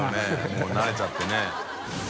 もう慣れちゃってね。